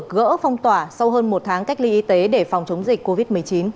các bệnh nhân đã được gỡ phong tỏa sau hơn một tháng cách ly y tế để phòng chống dịch covid một mươi chín